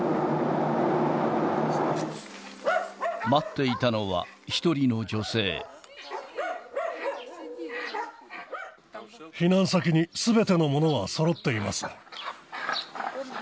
待っていたのは、避難先にすべてのものはそろっています。